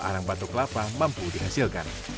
kalau arang batok kelapa mampu dihasilkan